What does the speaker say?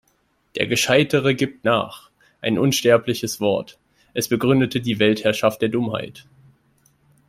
Der Gescheitere gibt nach! Ein unsterbliches Wort. Es begründete die Weltherrschaft der Dummheit.